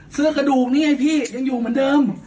กระดูกนี่ไงพี่ยังอยู่เหมือนเดิม